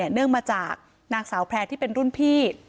เนื่องมาจากนางสาวแพร่ที่เป็นรุ่นพี่